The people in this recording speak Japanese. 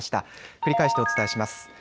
繰り返してお伝えします。